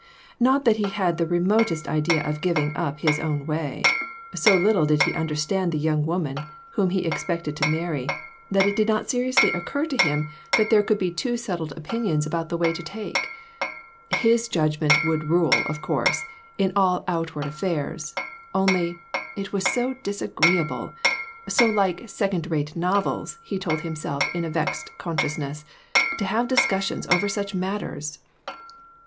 Not that he had the remotest idea of giving up his own way. So little did he understand the young woman whom he expected to marry, that it did not seriously occur to him 356 COMPLICATIONS. there could be two settled opinions about the way to take; his judgment would rule, of course, in all outward affairs ; only, it was so disagree able so like second rate novels, he told himself in a vexed consciousness to have discussions over such matters